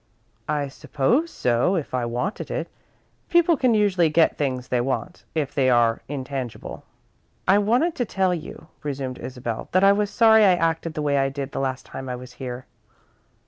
"I suppose so, if I wanted it. People can usually get things they want, if they are intangible." "I wanted to tell you," resumed Isabel, "that I was sorry I acted the way I did the last time I was here."